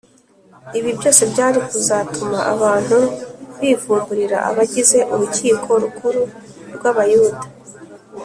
ibi byose byari kuzatuma abantu bivumburira abagize urukiko rukuru rw’abayuda